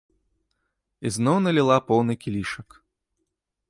Ізноў наліла поўны кілішак.